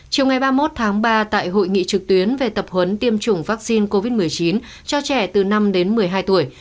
chiều ngày ba mươi một tháng ba tại hội nghị trực tuyến về tập huấn tiêm chủng vaccine covid một mươi chín cho trẻ từ năm đến một mươi hai tuổi